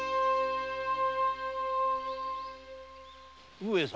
上様。